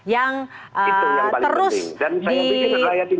yang terus diangkat dalam komunikasi politik